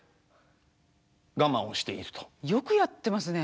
よくやってますね。